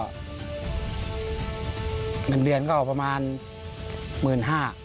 เงินเดือนก็ประมาณ๑๕๐๐บาท